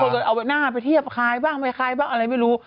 ก็เลยเอาหน้าไปเทียบคลายบ้างไม่คล้ายบ้างอะไรไม่รู้